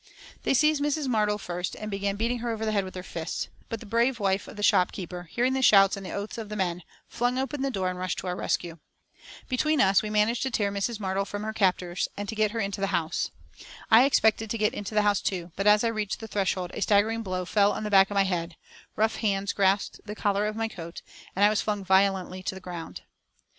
They seized Mrs. Martel first, and began beating her over the head with their fists, but the brave wife of the shopkeeper, hearing the shouts and the oaths of the men, flung open the door and rushed to our rescue. Between us we managed to tear Mrs. Martel from her captors and get her into the house. I expected to get into the house, too, but as I reached the threshold a staggering blow fell on the back of my head, rough hands grasped the collar of my coat, and I was flung violently to the ground.